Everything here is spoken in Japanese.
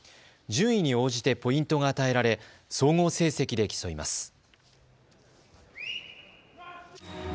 順位に応じてポイントが与えられ総合成績で競います。